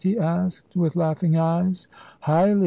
he asked, with laughing eyes. "Highly.